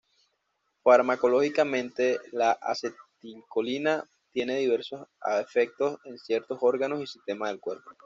Farmacológicamente, la acetilcolina tiene diversos efectos en ciertos órganos y sistemas del cuerpo.